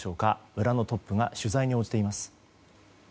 村のトップが取材に応じています。